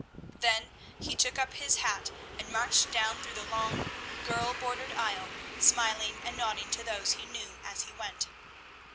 Then he took up his hat and marched down through the long, girl bordered aisle, smiling and nodding to those he knew as he went.